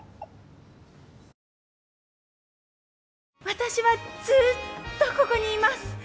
私はずっとここにいます。